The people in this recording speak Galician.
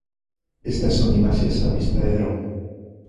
Estas son imaxes a vista de dron.